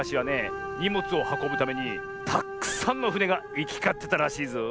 にもつをはこぶためにたっくさんのふねがいきかってたらしいぞ。